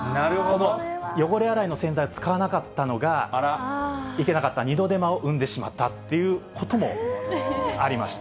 汚れ洗いの洗剤を使わなかったのが、いけなかった、二度手間を生んでしまったっていうこともありました。